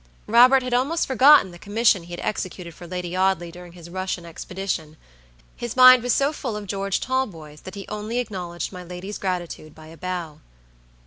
Robert had almost forgotten the commission he had executed for Lady Audley during his Russian expedition. His mind was so full of George Talboys that he only acknowledged my lady's gratitude by a bow.